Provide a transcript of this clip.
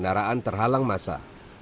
kendaraan terhalang masa